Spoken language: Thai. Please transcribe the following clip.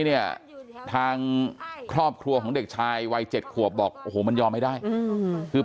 เนี่ยทางครอบครัวของเด็กชายวัย๗ขวบบอกโอ้โหมันยอมไม่ได้คือ